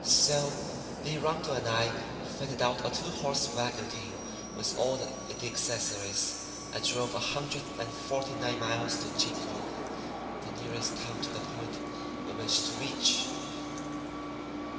So, Lee Rundle and I fitted out a two horse wagon team with all the accessories, and drove a hundred and forty nine miles to Chico, the nearest town to the point we wished to reach.